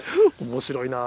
面白いな。